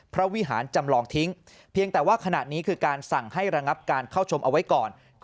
วิหารจำลองทิ้งเพียงแต่ว่าขณะนี้คือการสั่งให้ระงับการเข้าชมเอาไว้ก่อน